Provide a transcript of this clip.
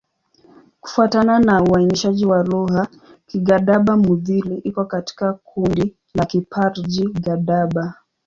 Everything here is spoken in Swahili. Kufuatana na uainishaji wa lugha, Kigadaba-Mudhili iko katika kundi la Kiparji-Gadaba.